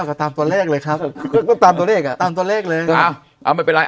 ก็ตามตัวเลขเลยครับก็ตามตัวเลขอ่ะตามตัวเลขเลย